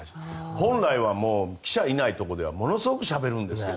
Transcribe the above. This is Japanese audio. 本来、記者がいないところではすごくしゃべるんですが。